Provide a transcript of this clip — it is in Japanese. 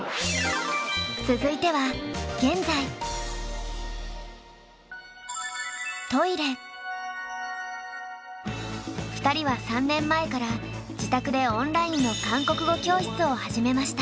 続いては２人は３年前から自宅でオンラインの韓国語教室を始めました。